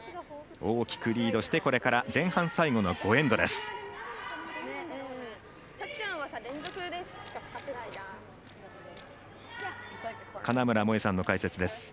大きくリードしてこれから前半最後の５エンドです。